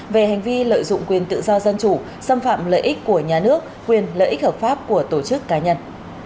về hành vi lợi dụng quyền tự do dân chủ xâm phạm lợi ích của nhà nước quyền lợi ích hợp pháp của tổ chức cá nhân